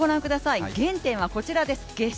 原点はこちらです。